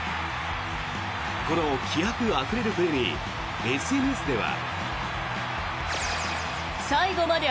この気迫あふれるプレーにＳＮＳでは。